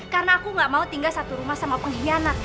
karena aku gak mau tinggal satu rumah sama pengkhianat